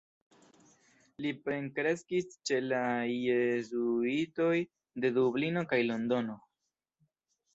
Li plenkreskis ĉe la jezuitoj de Dublino kaj Londono.